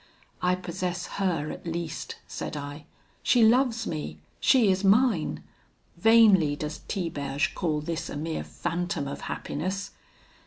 'I possess her at least,' said I; 'she loves me! she is mine! Vainly does Tiberge call this a mere phantom of happiness.'